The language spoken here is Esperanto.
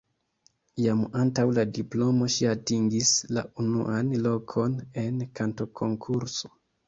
Jam antaŭ la diplomo ŝi atingis la unuan lokon en kantokonkurso.